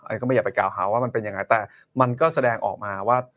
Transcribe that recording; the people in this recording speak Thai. อันนี้ก็ไม่อยากไปกล่าวหาว่ามันเป็นยังไงแต่มันก็แสดงออกมาว่า